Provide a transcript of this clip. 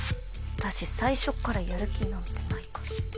私最初からやる気なんてないから。